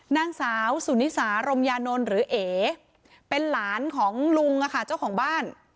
นางสาวสุนิสารมยานนท์หรือเอเป็นหลานของลุงเจ้าของบ้าน